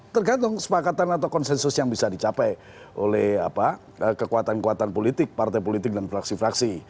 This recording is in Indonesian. tergantung kesepakatan atau konsensus yang bisa dicapai oleh kekuatan kekuatan politik partai politik dan fraksi fraksi